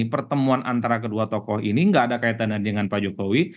pertemuan antara kedua tokoh ini nggak ada kaitannya dengan pak jokowi